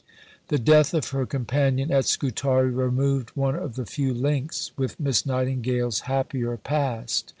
The death of her companion at Scutari removed one of the few links with Miss Nightingale's happier past.